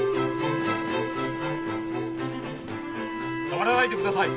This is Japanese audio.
触らないでください！